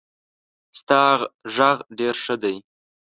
ستا غږ ډېر ښه دی.